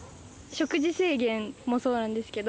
食事制限もそうなんですけど、